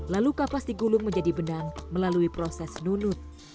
lalu kapas digulung menjadi benang melalui proses nunut